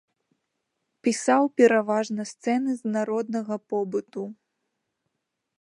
Пісаў пераважна сцэны з народнага побыту.